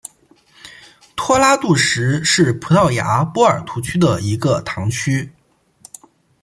托拉杜什是葡萄牙波尔图区的一个堂区。